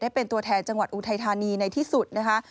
เป็นตัวแทนจังหวัดอุทัยธานีในที่สุดนะคะ